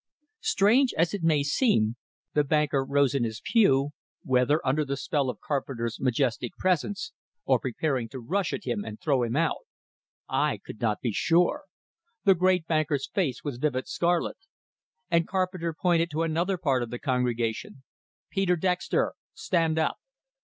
Strange as it may seem, the banker rose in his pew; whether under the spell of Carpenter's majestic presence, or preparing to rush at him and throw him out, I could not be sure. The great banker's face was vivid scarlet. And Carpenter pointed to another part of the congregation. "Peter Dexter! Stand up!"